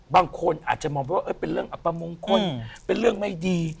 บางคนอาจจะมองไปว่าเป็นเรื่องอัปมงคลเป็นเรื่องไม่ดี